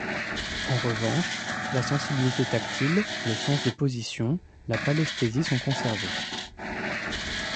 En revanche, la sensibilité tactile, le sens de position, la pallesthésie sont conservés.